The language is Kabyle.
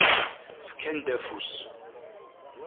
Fkan-d afus.